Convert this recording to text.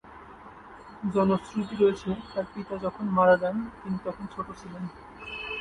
জনশ্রুতি রয়েছে তার পিতা যখন মারা যান তিনি তখন ছোট ছিলেন।